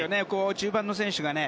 中盤の選手がね